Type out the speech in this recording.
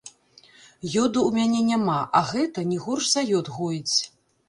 Ёду ў мяне няма, а гэта не горш за ёд гоіць.